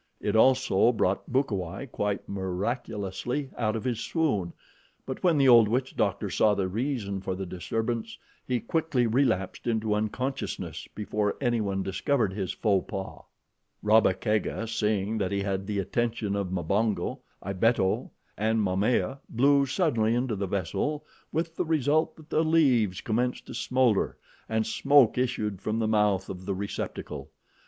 It also brought Bukawai quite miraculously out of his swoon, but when the old witch doctor saw the reason for the disturbance he quickly relapsed into unconsciousness before anyone discovered his faux pas. Rabba Kega, seeing that he had the attention of Mbonga, Ibeto, and Momaya, blew suddenly into the vessel, with the result that the leaves commenced to smolder, and smoke issued from the mouth of the receptacle.